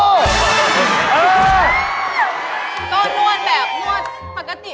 ก็นวดแบบนวดปกติ